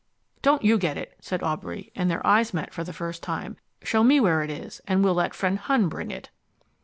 "Don't you get it," said Aubrey, and their eyes met for the first time. "Show me where it is, and we'll let friend Hun bring it."